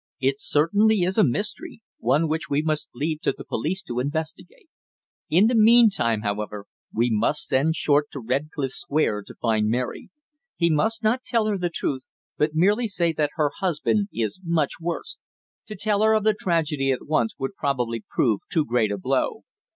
"It certainly is a mystery one which we must leave to the police to investigate. In the meantime, however, we must send Short to Redcliffe Square to find Mary. He must not tell her the truth, but merely say that her husband is much worse. To tell her of the tragedy at once would probably prove too great a blow."